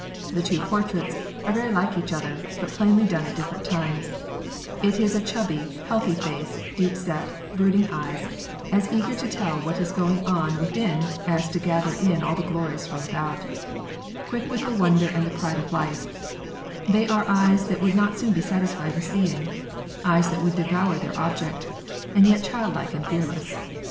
The two portraits are very like each other, but plainly done at different times; it is a chubby, healthy face, deep set, brooding eyes, as eager to tell what is going on within as to gather in all the glories from without; quick with the wonder and the pride of life; they are eyes that would not be soon satisfied with seeing; eyes that would devour their object, and yet childlike and fearless.